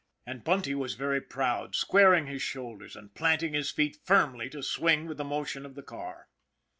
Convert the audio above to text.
And Bunty was very proud, squaring his shoulders, and planting his feet firmly to swing with the motion of the car.